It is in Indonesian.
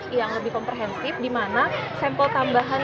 jadi saya akan mengucapkan bahwa ini adalah satu sampel yang sangat berhenti